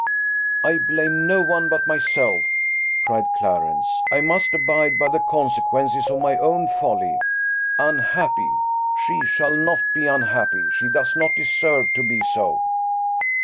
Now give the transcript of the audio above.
"I blame no one but myself," cried Clarence; "I must abide by the consequences of my own folly. Unhappy! she shall not be unhappy; she does not deserve to be so."